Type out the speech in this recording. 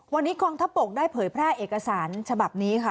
วันนี้กองทัพบกได้เผยแพร่เอกสารฉบับนี้ค่ะ